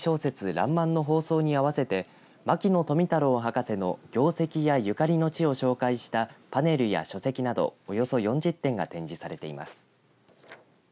らんまんの放送に合わせて牧野富太郎博士の業績やゆかりの地を紹介したパネルや書籍などおよそ４０点が展示されています。